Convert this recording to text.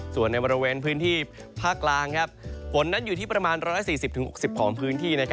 ส่วนในบริเวณพื้นที่ภาคกลางฝนนั้นอยู่ที่ประมาณ๑๔๐๖๐ของพื้นที่